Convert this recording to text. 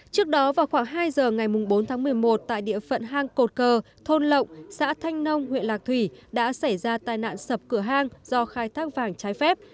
trước đó vào khoảng hai giờ ngày bốn tháng một mươi một tại địa phận hang cột cờ thôn lộng xã thanh nông huyện lạc thủy đã xảy ra tai nạn sập cửa hang do khai thác vàng trái phép